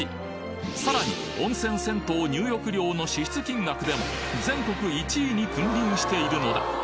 さらに温泉・銭湯入浴料の支出金額でも全国１位に君臨しているのだ